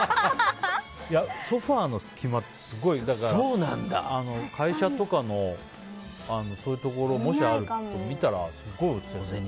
ソファの隙間ってすごいから会社とかのそういうところ見たらすごい落ちてる。